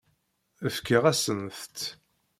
Fkiɣ-asent-t.